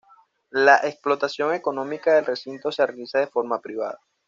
La explotación económica del recinto se realiza de forma privada.